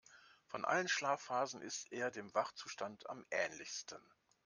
Von allen Schlafphasen ist er dem Wachzustand am ähnlichsten.